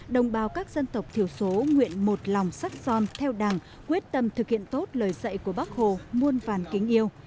đồng bào các dân tộc thiểu số nguyện một lòng sắc son theo đảng quyết tâm thực hiện tốt lời dạy của bác hồ muôn vàn kính yêu